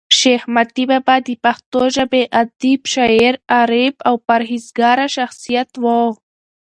شېخ متي بابا دپښتو ژبي ادیب، شاعر، عارف او پر هېزګاره شخصیت وو.